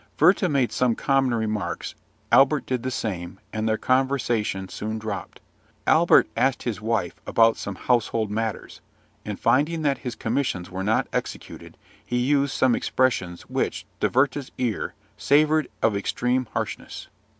Werther made some common remarks; Albert did the same, and their conversation soon dropped. Albert asked his wife about some household matters; and, finding that his commissions were not executed, he used some expressions which, to Werther's ear, savoured of extreme harshness.